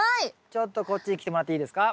ちょっとこっちに来てもらっていいですか？